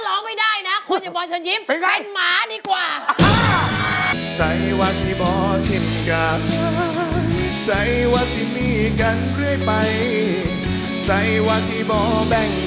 แล้วเพลงนี้ถ้าร้องไม่ได้นะคุณอย่าบอกฉันยิ้ม